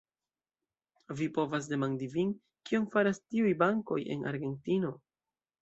Vi povas demandi vin, kion faras tiuj bankoj en Argentino?